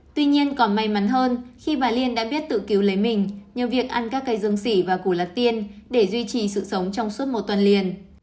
tuy nhiên còn may mắn hơn khi bà liên đã biết tự cứu lấy mình nhờ việc ăn các cây dương sỉ và củ lạc tiên để duy trì sự sống trong suốt một tuần liền